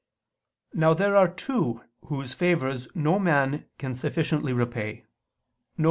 Now there are two whose favors no man can sufficiently repay, viz.